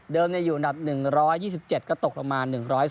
อยู่อันดับ๑๒๗ก็ตกลงมา๑๔